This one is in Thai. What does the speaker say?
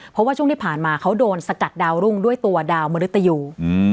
เพราะว่าช่วงที่ผ่านมาเขาโดนสกัดดาวรุ่งด้วยตัวดาวมริตยู